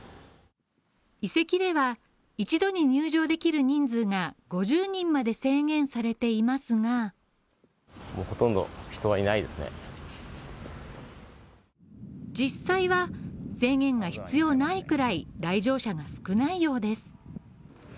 遺跡では、一度に入場できる人数が５０人まで制限されていますが実際は制限が必要ないくらい、来場者が少ないようです。